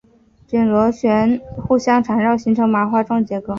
卷曲螺旋互相缠绕形成麻花状结构。